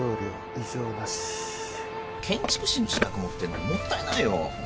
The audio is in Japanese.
異常なし建築士の資格持ってんのにもったいないよ